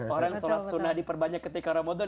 orang sholat sunnah diperbanyak ketika ramadan